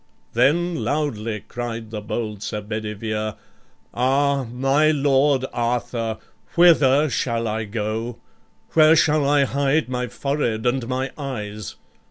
Then loudly cried the bold Sir Bedivere: "Ah! my Lord Arthur, whither shall I go? Where shall I hide my forehead and my eyes?